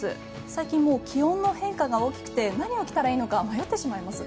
最近気温の変化が大きくて何を着たらいいのか迷ってしまいます。